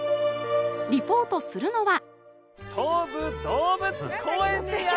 リポートするのは？